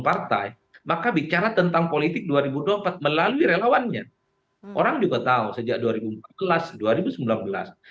partai maka bicara tentang politik dua ribu dua puluh empat melalui relawannya orang juga tahu sejak dua ribu empat belas dua ribu sembilan belas